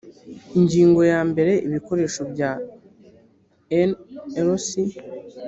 ingingo ya mbere ibikoresho bya nlc